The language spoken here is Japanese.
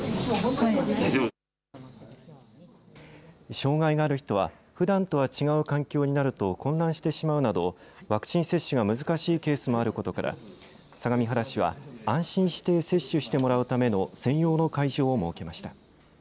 障害がある人は、ふだんとは違う環境になると混乱してしまうなどワクチン接種が難しいケースもあることから相模原市は安心して接種してもらうための専用の会場を設けました。